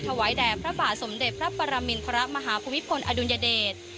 แด่พระบาทสมเด็จพระปรมินทรมาฮภูมิพลอดุลยเดช